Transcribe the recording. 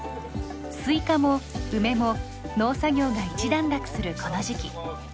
スイカも梅も農作業が一段落するこの時期。